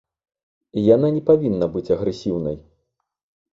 Яна не павінна быць агрэсіўнай.